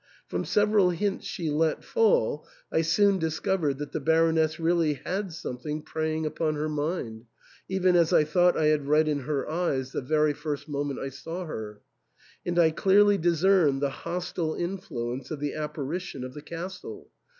From sev eral hints she let fall, I soon discovered that the Bar oness really had something preying upon her mind, even as I thought I had read in her eyes the very first moment I saw her ; and I clearly discerned the hostile influence of the apparition of the castle.